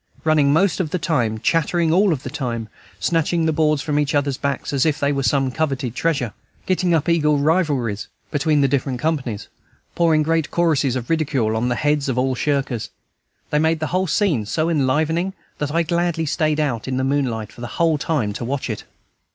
Running most of the time, chattering all the time, snatching the boards from each other's backs as if they were some coveted treasure, getting up eager rivalries between different companies, pouring great choruses of ridicule on the heads of all shirkers, they made the whole scene so enlivening that I gladly stayed out in the moonlight for the whole time to watch it.